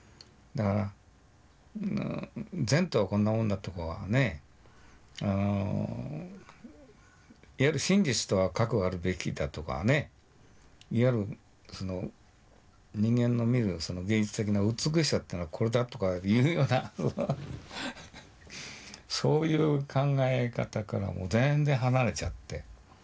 だから善とはこんなもんだとかはねあのいわゆる真実とはかくあるべきだとかねいわゆるその人間の見る芸術的な美しさってのはこれだとかいうようなそういう考え方からもう全然離れちゃって。